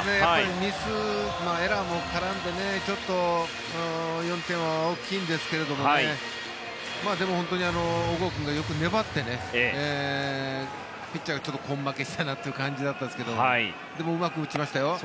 ミス、エラーも絡んでちょっと４点は大きいんですけどもねでも、小郷君が本当によく粘ってピッチャーが根負けしたなという感じだったんですがでもうまく打ちましたよ。